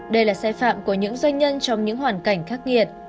đây là xe phạm của những doanh nhân trong những hoàn cảnh khắc nghiệt